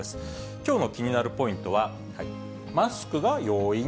きょうの気になるポイントは、マスクが要因？